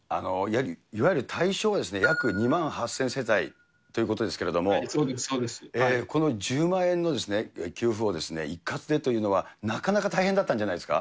いわゆる対象は約２万８０００世帯ということですけれども、この１０万円の給付を一括でというのは、なかなか大変だったんじゃないですか。